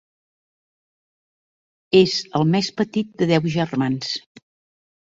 És el més petit de deu germans.